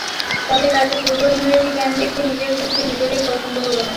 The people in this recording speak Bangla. তবে তাদের দুর্বল ইংরেজি জ্ঞান দেখে নিজের যুক্তি নিজেরই পছন্দ হলো না।